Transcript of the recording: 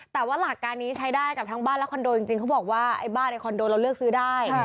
แต่ว่าหลักการนี้ใช้ได้กับทั้งบ้านและคอนโดจริงเขาบอกว่าไอ้บ้านในคอนโดเราเลือกซื้อได้